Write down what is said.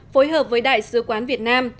phối hợp với đại sứ quán việt nam